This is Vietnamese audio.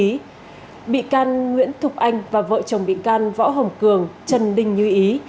trong vụ án này bị can nguyễn thục anh và vợ chồng bị can võ hồng cường trần đinh như ý